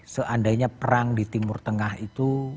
seandainya perang di timur tengah itu